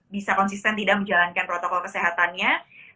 bisa konsisten tidak menjalankan protokol kesehatannya